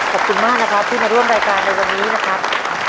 ขอบคุณมากนะครับที่มาร่วมรายการในวันนี้นะครับ